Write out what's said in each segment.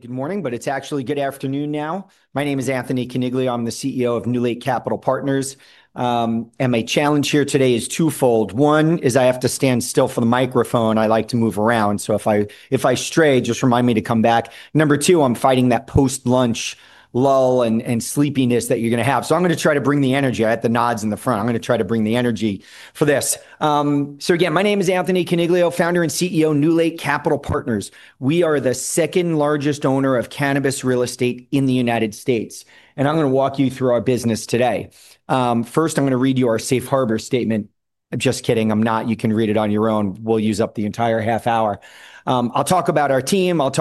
Good morning, but it's actually good afternoon now. My name is Anthony Coniglio. I'm the CEO of NewLake Capital Partners. My challenge here today is twofold. One is I have to stand still for the microphone. I like to move around. If I stray, just remind me to come back. Number two, I'm fighting that post-lunch lull and sleepiness that you're going to have. I'm going to try to bring the energy. I had the nods in the front. I'm going to try to bring the energy for this. Again, my name is Anthony Coniglio, founder and CEO of NewLake Capital Partners. We are the second largest owner of cannabis real estate in the United States. I'm going to walk you through our business today. First, I'm going to read you our safe harbor statement. I'm just kidding. I'm not. You can read it on your own. We'll use up the entire half hour. I'll talk about our team, what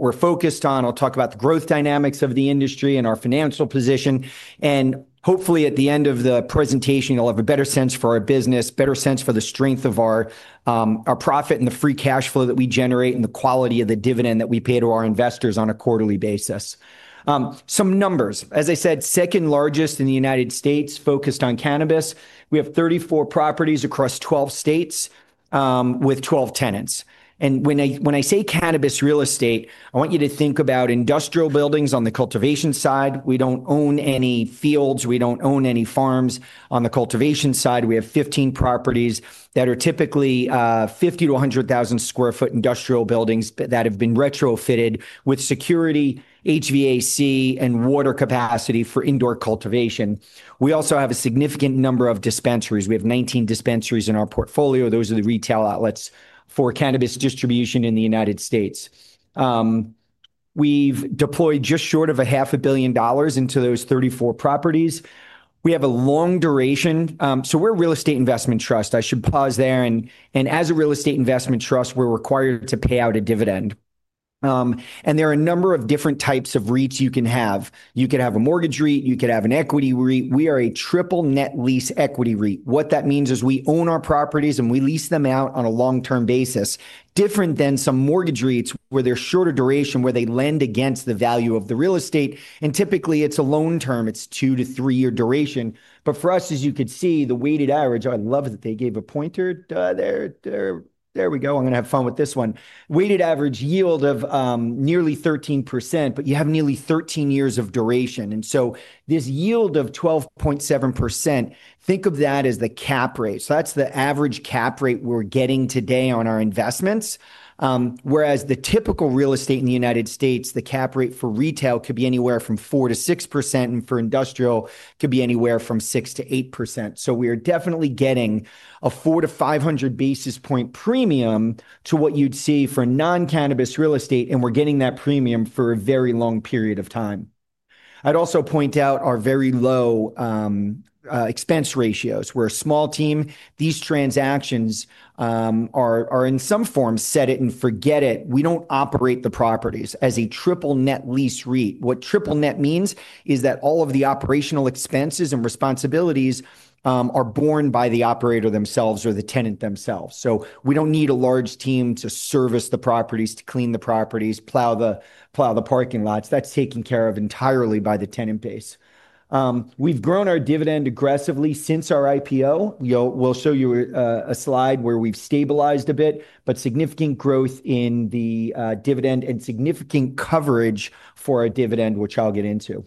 we're focused on, the growth dynamics of the industry, and our financial position. Hopefully, at the end of the presentation, you'll have a better sense for our business, a better sense for the strength of our profit and the free cash flow that we generate, and the quality of the dividend that we pay to our investors on a quarterly basis. Some numbers. As I said, second largest in the United States focused on cannabis. We have 34 properties across 12 states, with 12 tenants. When I say cannabis real estate, I want you to think about industrial buildings on the cultivation side. We don't own any fields. We don't own any farms on the cultivation side. We have 15 properties that are typically 50,000-100,000 square foot industrial buildings that have been retrofitted with security, HVAC, and water capacity for indoor cultivation. We also have a significant number of dispensaries. We have 19 dispensaries in our portfolio. Those are the retail outlets for cannabis distribution in the United States. We've deployed just short of $500 million into those 34 properties. We have a long duration. We're a real estate investment trust. I should pause there. As a real estate investment trust, we're required to pay out a dividend. There are a number of different types of REITs you can have. You could have a mortgage REIT. You could have an equity REIT. We are a triple-net lease equity REIT. What that means is we own our properties and we lease them out on a long-term basis, different than some mortgage REITs where they're shorter duration, where they lend against the value of the real estate. Typically, it's a loan term. It's two to three-year duration. For us, as you could see, the weighted average, I love that they gave a pointer. There we go. I'm going to have fun with this one. Weighted average yield of nearly 13%, but you have nearly 13 years of duration. This yield of 12.7%, think of that as the cap rate. That's the average cap rate we're getting today on our investments. Whereas the typical real estate in the United States, the cap rate for retail could be anywhere from 4% to 6% and for industrial could be anywhere from 6% to 8%. We are definitely getting a 400-500 basis point premium to what you'd see for non-cannabis real estate, and we're getting that premium for a very long period of time. I'd also point out our very low expense ratios. We're a small team. These transactions are in some form set it and forget it. We don't operate the properties as a triple-net lease REIT. What triple-net means is that all of the operational expenses and responsibilities are borne by the operator themselves or the tenant themselves. We don't need a large team to service the properties, to clean the properties, plow the parking lots. That's taken care of entirely by the tenant base. We've grown our dividend aggressively since our IPO. We'll show you a slide where we've stabilized a bit, but significant growth in the dividend and significant coverage for a dividend, which I'll get into.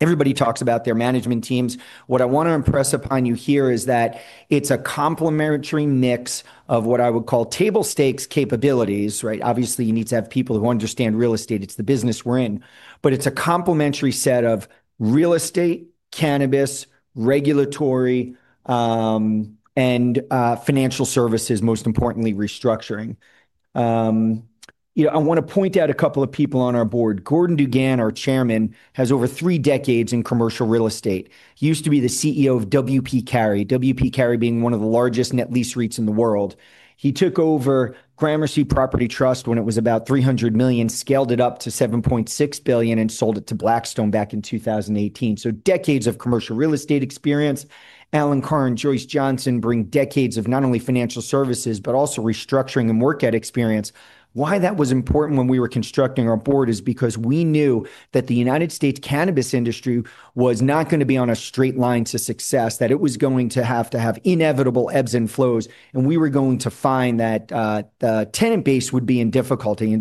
Everybody talks about their management teams. What I want to impress upon you here is that it's a complementary mix of what I would call table stakes capabilities, right? Obviously, you need to have people who understand real estate. It's the business we're in, but it's a complementary set of real estate, cannabis, regulatory, and financial services, most importantly, restructuring. I want to point out a couple of people on our board. Gordon DuGan, our Chairman, has over three decades in commercial real estate. He used to be the CEO of WP Carey, WP Carey being one of the largest net lease REITs in the world. He took over Gramercy Property Trust when it was about $300 million, scaled it up to $7.6 billion, and sold it to Blackstone back in 2018. Decades of commercial real estate experience. Alan Carr and Joyce Johnson bring decades of not only financial services, but also restructuring and workout experience. Why that was important when we were constructing our board is because we knew that the United States cannabis industry was not going to be on a straight line to success, that it was going to have to have inevitable ebbs and flows, and we were going to find that the tenant base would be in difficulty.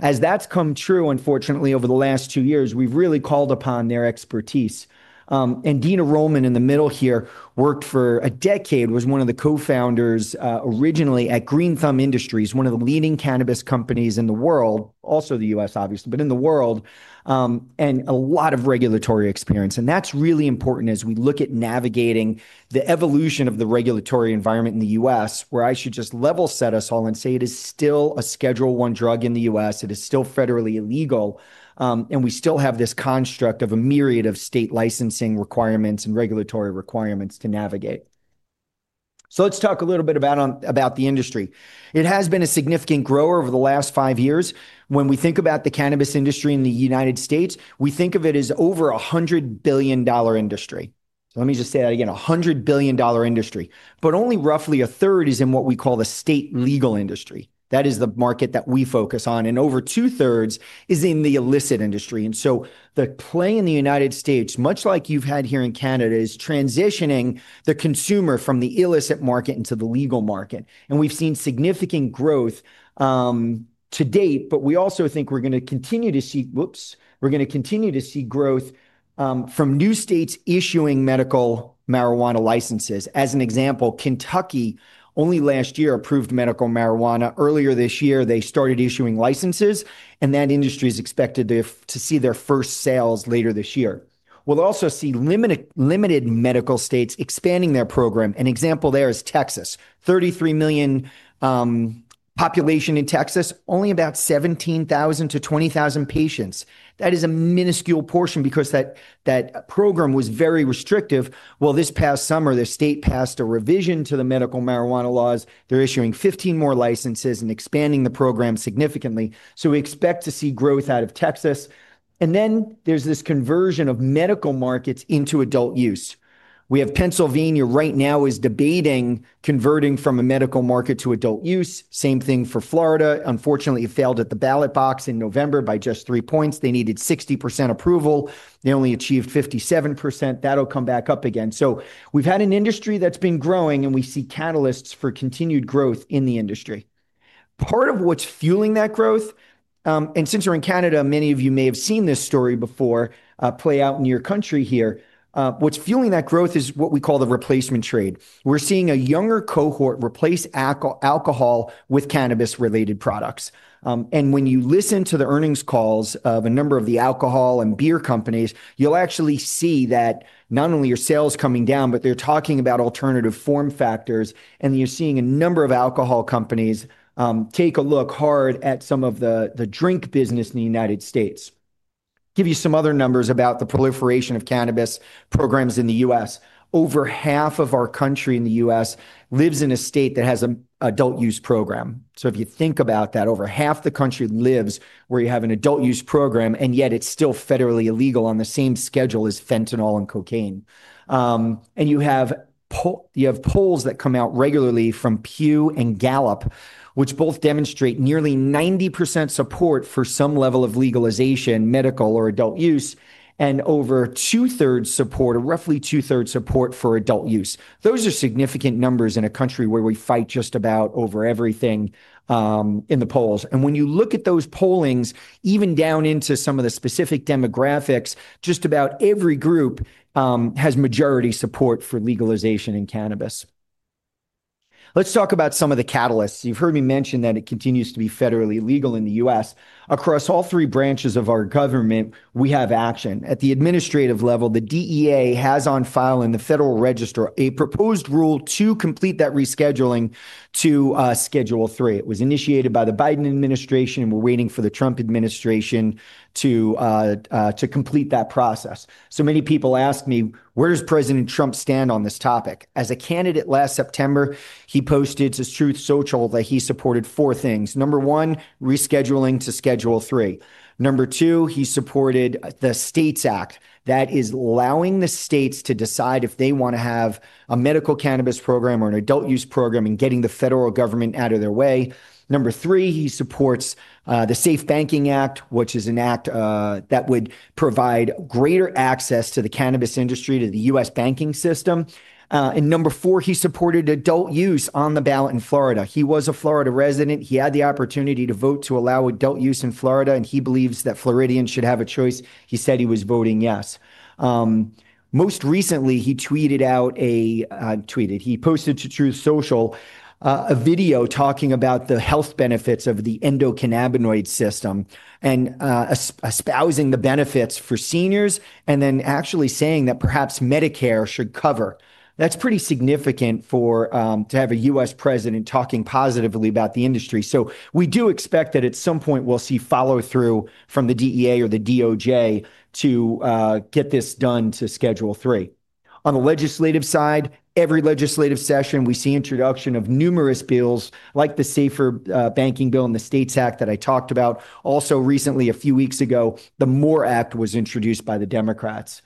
As that's come true, unfortunately, over the last two years, we've really called upon their expertise. Dina Roman in the middle here worked for a decade, was one of the co-founders, originally at Green Thumb Industries, one of the leading cannabis companies in the world, also the U.S., obviously, but in the world, and a lot of regulatory experience. That's really important as we look at navigating the evolution of the regulatory environment in the U.S., where I should just level set us all and say it is still a Schedule I drug in the U.S. It is still federally illegal, and we still have this construct of a myriad of state licensing requirements and regulatory requirements to navigate. Let's talk a little bit about the industry. It has been a significant grower over the last five years. When we think about the cannabis industry in the United States, we think of it as over a $100 billion industry. Let me just say that again, a $100 billion industry, but only roughly a third is in what we call the state legal industry. That is the market that we focus on, and over two thirds is in the illicit industry. The play in the United States, much like you've had here in Canada, is transitioning the consumer from the illicit market into the legal market. We've seen significant growth to date, but we also think we're going to continue to see, whoops, we're going to continue to see growth from new states issuing medical marijuana licenses. As an example, Kentucky only last year approved medical marijuana. Earlier this year, they started issuing licenses, and that industry is expected to see their first sales later this year. We'll also see limited medical states expanding their program. An example there is Texas. 33 million, population in Texas, only about 17,000-20,000 patients. That is a minuscule portion because that program was very restrictive. This past summer, the state passed a revision to the medical marijuana laws. They're issuing 15 more licenses and expanding the program significantly. We expect to see growth out of Texas. There is this conversion of medical markets into adult use. We have Pennsylvania right now debating converting from a medical market to adult use. Same thing for Florida. Unfortunately, it failed at the ballot box in November by just three points. They needed 60% approval. They only achieved 57%. That'll come back up again. We've had an industry that's been growing, and we see catalysts for continued growth in the industry. Part of what's fueling that growth, and since you're in Canada, many of you may have seen this story before play out in your country. What's fueling that growth is what we call the replacement trade. We're seeing a younger cohort replace alcohol with cannabis-related products. When you listen to the earnings calls of a number of the alcohol and beer companies, you'll actually see that not only are sales coming down, but they're talking about alternative form factors, and you're seeing a number of alcohol companies take a look hard at some of the drink business in the United States. Give you some other numbers about the proliferation of cannabis programs in the U.S. Over half of our country in the U.S. lives in a state that has an adult use program. If you think about that, over half the country lives where you have an adult use program, and yet it's still federally illegal on the same schedule as fentanyl and cocaine. You have polls that come out regularly from Pew and Gallup, which both demonstrate nearly 90% support for some level of legalization, medical or adult use, and over two thirds support, or roughly two thirds support, for adult use. Those are significant numbers in a country where we fight just about over everything in the polls. When you look at those pollings, even down into some of the specific demographics, just about every group has majority support for legalization in cannabis. Let's talk about some of the catalysts. You've heard me mention that it continues to be federally illegal in the U.S. Across all three branches of our government, we have action. At the administrative level, the DEA has on file in the Federal Register a proposed rule to complete that rescheduling to Schedule III. It was initiated by the Biden administration, and we're waiting for the Trump administration to complete that process. Many people ask me, where does President Trump stand on this topic? As a candidate last September, he posted on Truth Social that he supported four things. Number one, rescheduling to Schedule III. Number two, he supported the STATES Act that is allowing the states to decide if they want to have a medical cannabis program or an adult use program and getting the federal government out of their way. Number three, he supports the SAFE Banking Act, which is an act that would provide greater access to the cannabis industry to the U.S. banking system. Number four, he supported adult use on the ballot in Florida. He was a Florida resident. He had the opportunity to vote to allow adult use in Florida, and he believes that Floridians should have a choice. He said he was voting yes. Most recently, he posted to Truth Social a video talking about the health benefits of the endocannabinoid system and espousing the benefits for seniors and then actually saying that perhaps Medicare should cover. That's pretty significant to have a U.S. president talking positively about the industry. We do expect that at some point we'll see follow-through from the DEA or the DOJ to get this done to Schedule III. On the legislative side, every legislative session, we see introduction of numerous bills like the SAFER Banking Bill and the STATES Act that I talked about. Also recently, a few weeks ago, the MORE Act was introduced by the Democrats.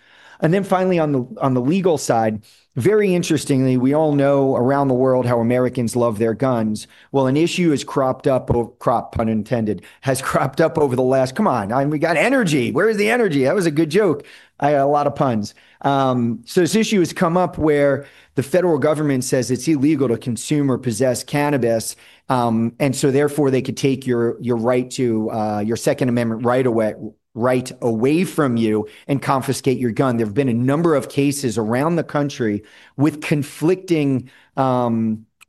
Finally, on the legal side, very interestingly, we all know around the world how Americans love their guns. An issue has cropped up, crop pun intended, over the last—come on, we got energy. Where's the energy? That was a good joke. I had a lot of puns. This issue has come up where the federal government says it's illegal to consume or possess cannabis, and so therefore they could take your Second Amendment right away from you and confiscate your gun. There have been a number of cases around the country with conflicting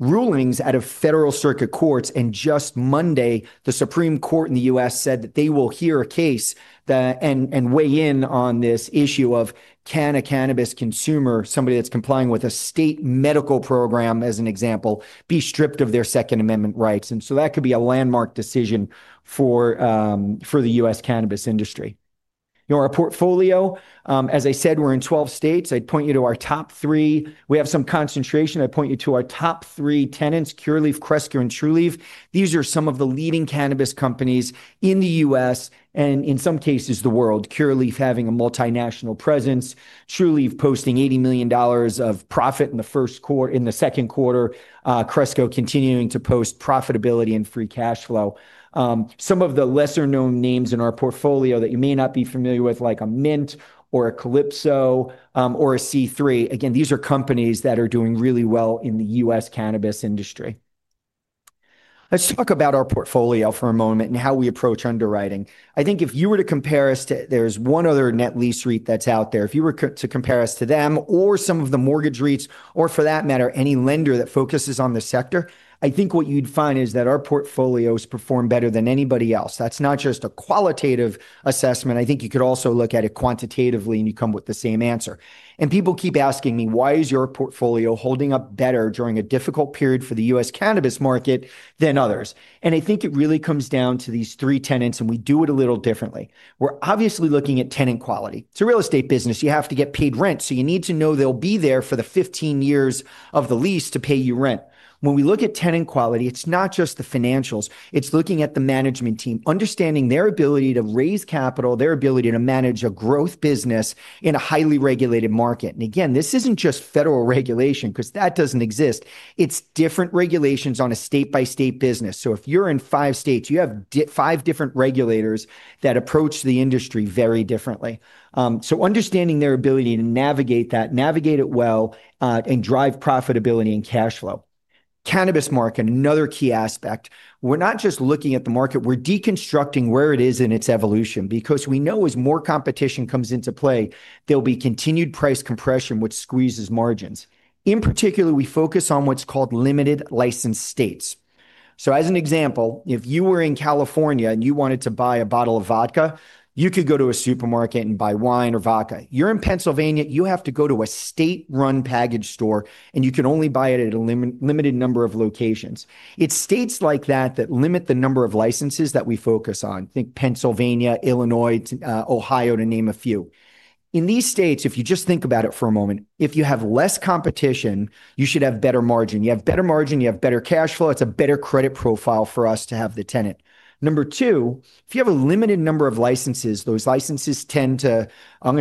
rulings out of federal circuit courts, and just Monday, the Supreme Court in the U.S. said that they will hear a case and weigh in on this issue of can a cannabis consumer, somebody that's complying with a state medical program, as an example, be stripped of their Second Amendment rights. That could be a landmark decision for the U.S. cannabis industry. You know, our portfolio, as I said, we're in 12 states. I'd point you to our top three. We have some concentration. I'd point you to our top three tenants: Curaleaf, Cresco, and Trulieve. These are some of the leading cannabis companies in the U.S. and in some cases the world. Curaleaf having a multinational presence, Trulieve posting $80 million of profit in the first quarter, in the second quarter, Cresco continuing to post profitability and free cash flow. Some of the lesser-known names in our portfolio that you may not be familiar with, like a Mint or a Calypso, or a C3. Again, these are companies that are doing really well in the U.S. cannabis industry. Let's talk about our portfolio for a moment and how we approach underwriting. I think if you were to compare us to, there's one other net lease REIT that's out there. If you were to compare us to them or some of the mortgage REITs, or for that matter, any lender that focuses on the sector, I think what you'd find is that our portfolios perform better than anybody else. That's not just a qualitative assessment. I think you could also look at it quantitatively and you come with the same answer. People keep asking me, why is your portfolio holding up better during a difficult period for the U.S. cannabis market than others? I think it really comes down to these three tenants, and we do it a little differently. We're obviously looking at tenant quality. It's a real estate business. You have to get paid rent. You need to know they'll be there for the 15 years of the lease to pay you rent. When we look at tenant quality, it's not just the financials. It's looking at the management team, understanding their ability to raise capital, their ability to manage a growth business in a highly regulated market. Again, this isn't just federal regulation because that doesn't exist. It's different regulations on a state-by-state business. If you're in five states, you have five different regulators that approach the industry very differently. Understanding their ability to navigate that, navigate it well, and drive profitability and cash flow. Cannabis market, another key aspect. We're not just looking at the market. We're deconstructing where it is in its evolution because we know as more competition comes into play, there'll be continued price compression, which squeezes margins. In particular, we focus on what's called limited-license states. As an example, if you were in California and you wanted to buy a bottle of vodka, you could go to a supermarket and buy wine or vodka. If you're in Pennsylvania, you have to go to a state-run package store, and you can only buy it at a limited number of locations. It's states like that that limit the number of licenses that we focus on. Think Pennsylvania, Illinois, Ohio, to name a few. In these states, if you just think about it for a moment, if you have less competition, you should have better margin. You have better margin, you have better cash flow, it's a better credit profile for us to have the tenant. Number two, if you have a limited number of licenses, those licenses tend to have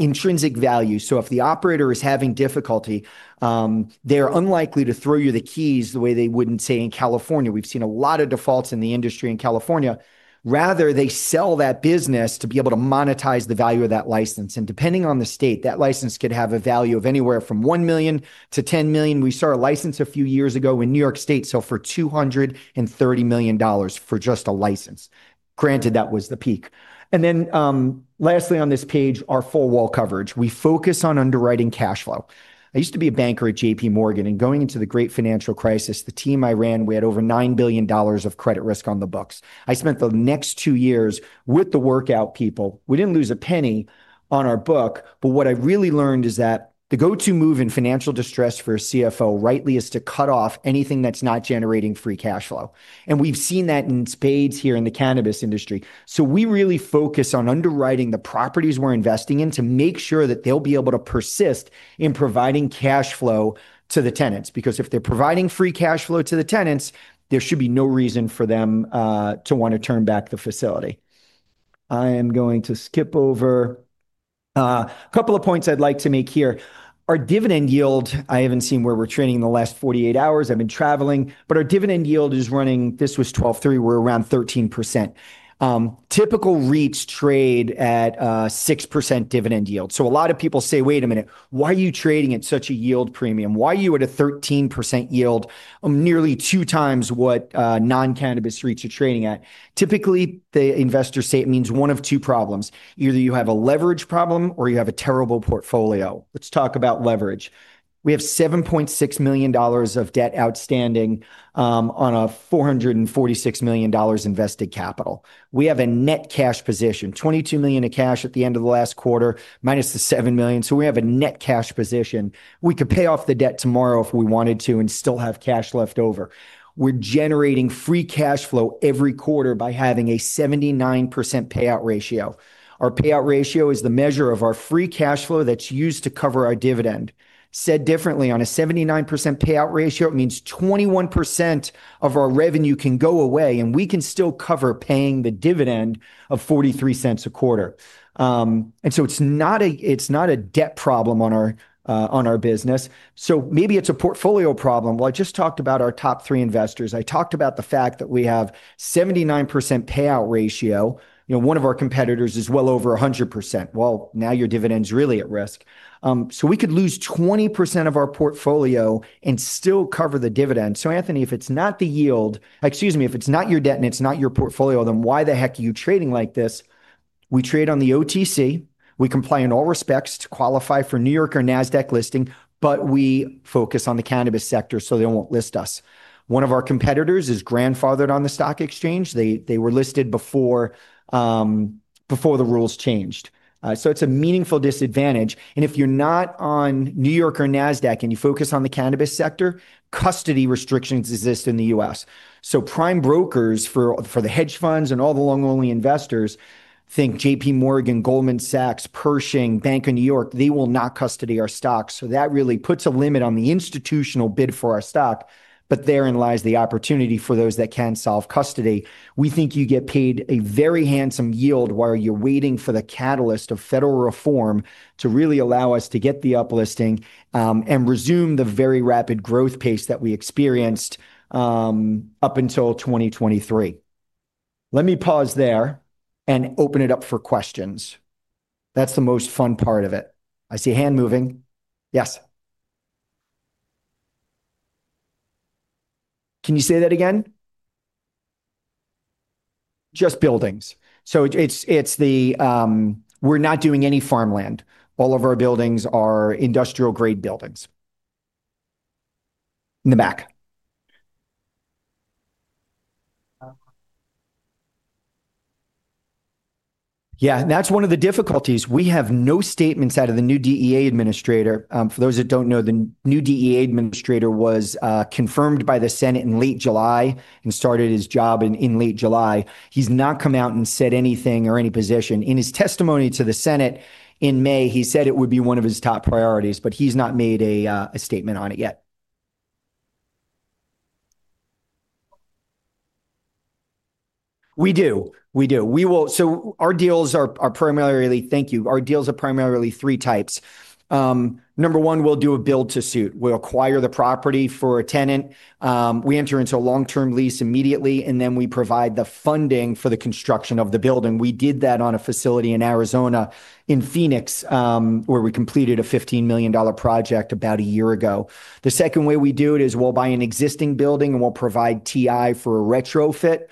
intrinsic value. If the operator is having difficulty, they're unlikely to throw you the keys the way they wouldn't, say, in California. We've seen a lot of defaults in the industry in California. Rather, they sell that business to be able to monetize the value of that license. Depending on the state, that license could have a value of anywhere from $1 million to $10 million. We saw a license a few years ago in New York State sell for $230 million for just a license. Granted, that was the peak. Lastly on this page, our full wall coverage. We focus on underwriting cash flow. I used to be a banker at JP Morgan, and going into the great financial crisis, the team I ran, we had over $9 billion of credit risk on the books. I spent the next two years with the workout people. We didn't lose a penny on our book, but what I really learned is that the go-to move in financial distress for a CFO, rightly, is to cut off anything that's not generating free cash flow. We've seen that in spades here in the cannabis industry. We really focus on underwriting the properties we're investing in to make sure that they'll be able to persist in providing cash flow to the tenants. If they're providing free cash flow to the tenants, there should be no reason for them to want to turn back the facility. I am going to skip over a couple of points I'd like to make here. Our dividend yield, I haven't seen where we're trading in the last 48 hours. I've been traveling, but our dividend yield is running, this was 12/3, we're around 13%. Typical REITs trade at a 6% dividend yield. A lot of people say, wait a minute, why are you trading at such a yield premium? Why are you at a 13% yield, nearly two times what non-cannabis REITs are trading at? Typically, the investors say it means one of two problems. Either you have a leverage problem or you have a terrible portfolio. Let's talk about leverage. We have $7.6 million of debt outstanding on a $446 million invested capital. We have a net cash position, $22 million of cash at the end of the last quarter, minus the $7 million. We have a net cash position. We could pay off the debt tomorrow if we wanted to and still have cash left over. We're generating free cash flow every quarter by having a 79% payout ratio. Our payout ratio is the measure of our free cash flow that's used to cover our dividend. Said differently, on a 79% payout ratio, it means 21% of our revenue can go away and we can still cover paying the dividend of $0.43 a quarter. It's not a debt problem on our business. Maybe it's a portfolio problem. I just talked about our top three investors. I talked about the fact that we have a 79% payout ratio. One of our competitors is well over 100%. Now your dividend's really at risk. We could lose 20% of our portfolio and still cover the dividend. Anthony, if it's not the yield, excuse me, if it's not your debt and it's not your portfolio, then why the heck are you trading like this? We trade on the OTC. We comply in all respects to qualify for New York or NASDAQ listing, but we focus on the cannabis sector so they won't list us. One of our competitors is grandfathered on the stock exchange. They were listed before the rules changed. It's a meaningful disadvantage. If you're not on New York or NASDAQ and you focus on the cannabis sector, custody restrictions exist in the U.S. Prime brokers for the hedge funds and all the long-only investors, think JP Morgan, Goldman Sachs, Pershing, Bank of New York, they will not custody our stocks. That really puts a limit on the institutional bid for our stock, but therein lies the opportunity for those that can solve custody. We think you get paid a very handsome yield while you're waiting for the catalyst of federal reform to really allow us to get the uplifting and resume the very rapid growth pace that we experienced up until 2023. Let me pause there and open it up for questions. That's the most fun part of it. I see a hand moving. Yes. Can you say that again? Just buildings. It's the, we're not doing any farmland. All of our buildings are industrial-grade buildings. In the back. Yeah, that's one of the difficulties. We have no statements out of the new DEA Administrator. For those that don't know, the new DEA Administrator was confirmed by the Senate in late July and started his job in late July. He's not come out and said anything or any position. In his testimony to the Senate in May, he said it would be one of his top priorities, but he's not made a statement on it yet. Our deals are primarily, thank you, our deals are primarily three types. Number one, we'll do a build-to-suit. We'll acquire the property for a tenant, we enter into a long-term lease immediately, and then we provide the funding for the construction of the building. We did that on a facility in Arizona, in Phoenix, where we completed a $15 million project about a year ago. The second way we do it is we'll buy an existing building and we'll provide TI for a retrofit.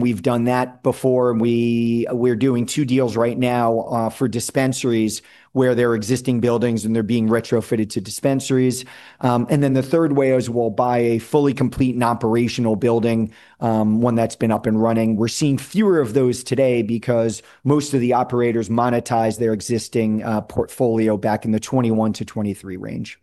We've done that before. We're doing two deals right now for dispensaries where there are existing buildings and they're being retrofitted to dispensaries. The third way is we'll buy a fully complete and operational building, one that's been up and running. We're seeing fewer of those today because most of the operators monetized their existing portfolio back in the 2021 to 2023 range.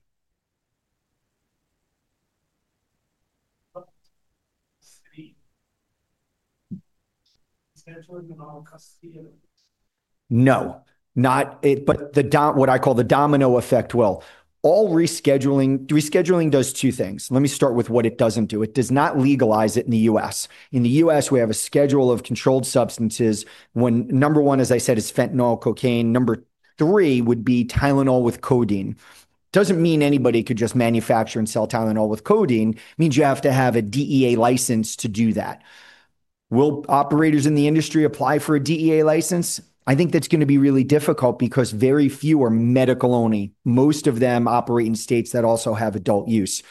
Not it, but what I call the domino effect will. All rescheduling, rescheduling does two things. Let me start with what it doesn't do. It does not legalize it in the U.S. In the U.S., we have a schedule of controlled substances. Number one, as I said, is fentanyl, cocaine. Number three would be Tylenol with codeine. It doesn't mean anybody could just manufacture and sell Tylenol with codeine. It means you have to have a DEA license to do that. Will operators in the industry apply for a DEA license? I think that's going to be really difficult because very few are medical-only. Most of them operate in states that also have adult use.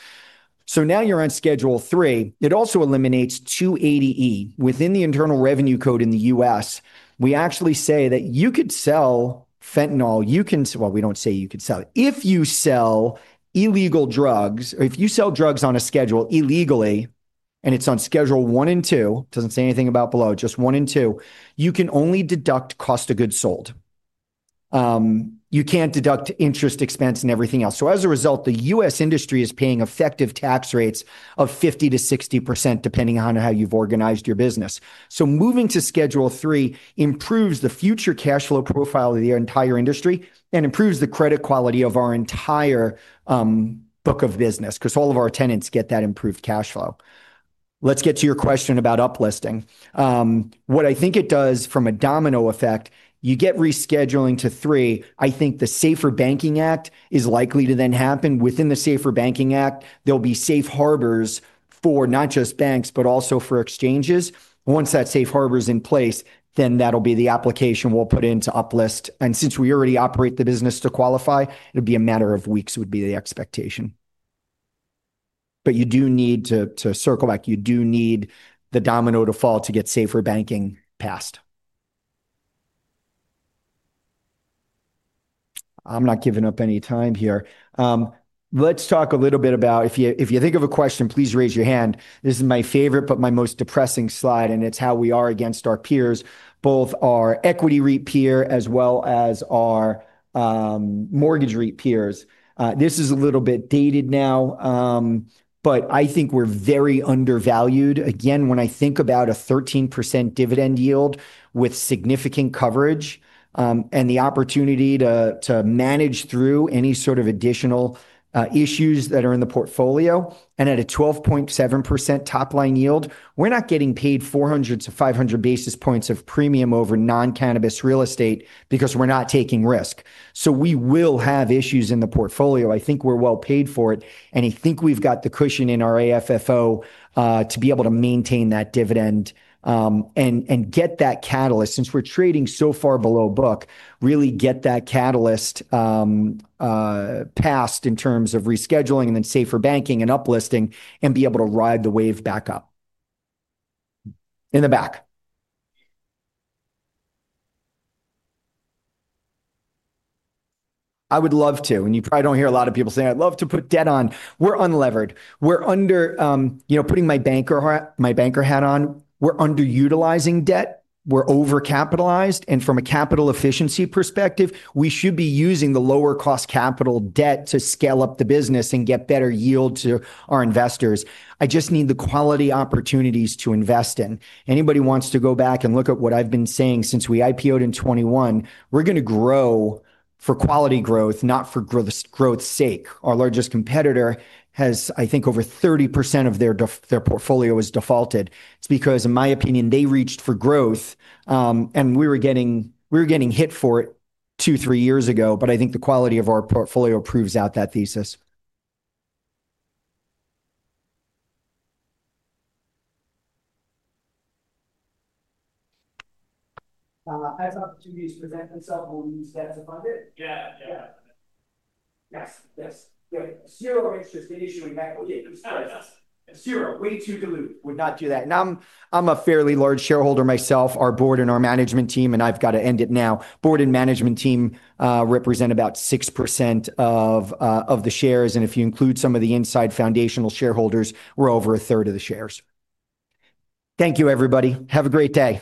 Now you're on Schedule III. It also eliminates 280(e) within the Internal Revenue Code in the U.S. We actually say that you could sell fentanyl. You can, we don't say you could sell. If you sell illegal drugs, or if you sell drugs on a schedule illegally, and it's on Schedule I and II, it doesn't say anything about below, just I and II, you can only deduct cost of goods sold. You can't deduct interest, expense, and everything else. As a result, the U.S. industry is paying effective tax rates of 50%-60% depending on how you've organized your business. Moving to Schedule III improves the future cash flow profile of the entire industry and improves the credit quality of our entire book of business because all of our tenants get that improved cash flow. Let's get to your question about uplifting. What I think it does from a domino effect, you get rescheduling to III. I think the SAFE Banking Act is likely to then happen. Within the SAFE Banking Act, there'll be safe harbors for not just banks, but also for exchanges. Once that safe harbor is in place, that'll be the application we'll put in to uplift. Since we already operate the business to qualify, it'll be a matter of weeks, would be the expectation. You do need to circle back. You do need the domino default to get SAFE Banking passed. I'm not giving up any time here. Let's talk a little bit about, if you think of a question, please raise your hand. This is my favorite, but my most depressing slide, and it's how we are against our peers, both our equity REIT peer as well as our mortgage REIT peers. This is a little bit dated now, but I think we're very undervalued. Again, when I think about a 13% dividend yield with significant coverage, and the opportunity to manage through any sort of additional issues that are in the portfolio, and at a 12.7% top line yield, we're not getting paid 400-500 basis points of premium over non-cannabis real estate because we're not taking risk. We will have issues in the portfolio. I think we're well paid for it. I think we've got the cushion in our AFFO to be able to maintain that dividend and get that catalyst, since we're trading so far below book, really get that catalyst passed in terms of rescheduling and then SAFE Banking and uplifting and be able to ride the wave back up. In the back, I would love to, and you probably don't hear a lot of people say, I'd love to put debt on. We're unlevered. We're under, you know, putting my banker hat on. We're underutilizing debt. We're overcapitalized. From a capital efficiency perspective, we should be using the lower cost capital debt to scale up the business and get better yield to our investors. I just need the quality opportunities to invest in. Anybody wants to go back and look at what I've been saying since we IPO'd in 2021, we're going to grow for quality growth, not for growth's sake. Our largest competitor has, I think, over 30% of their portfolio was defaulted. It's because, in my opinion, they reached for growth, and we were getting hit for it two, three years ago, but I think the quality of our portfolio proves out that thesis. I have opportunities to present myself on that to fund it? Yes, yes. Zero interest in issuing equity. I'm serious. Zero. Way too dilute. Would not do that. I'm a fairly large shareholder myself. Our Board and our management team represent about 6% of the shares, and if you include some of the inside foundational shareholders, we're over a third of the shares. Thank you, everybody. Have a great day.